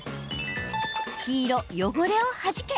黄・汚れをはじけ！